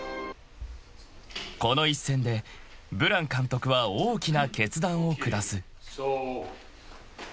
［この一戦でブラン監督は大きな決断を下す］